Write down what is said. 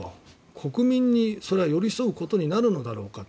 国民にそれは寄り添うことになるのだろうかと。